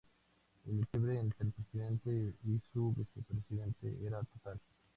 El quiebre entre el presidente y su vicepresidente era total.